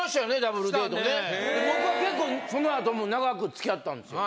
僕は結構その後も長く付き合ったんですよ。